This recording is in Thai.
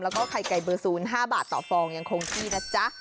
แล้วก็ไข่ไก่เบอร์๐๕บาทต่อฟองยังคงที่นะจ๊ะ